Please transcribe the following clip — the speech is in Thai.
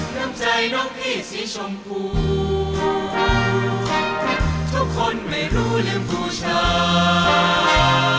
น้ำใจน้องพี่สีชมพูทุกคนไม่รู้เรื่องผู้ชาย